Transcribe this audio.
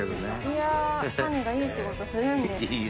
いや種がいい仕事するんです。